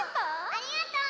ありがとう！